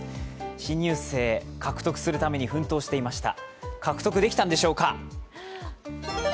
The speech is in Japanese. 新入生獲得するために奮闘していました。